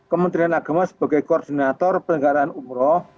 kementerian agama sebagai koordinator pelenggaraan umroh